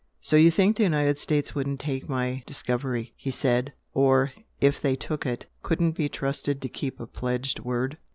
"So you think the United States wouldn't take my 'discovery?'" he said "Or if they took it couldn't be trusted to keep a pledged word?"